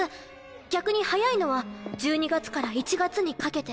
逆に早いのは１２月から１月にかけて。